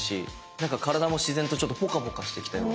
なんか体も自然とちょっとポカポカしてきたりとか。